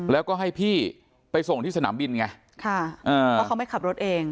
แล้วก็ให้พี่ไปส่งที่สนามบินไงค่ะอ่าเพราะเขาไม่ขับรถเอง